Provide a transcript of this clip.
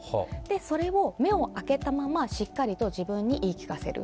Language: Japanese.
それを目を開けたまま、しっかりと自分に言い聞かせる。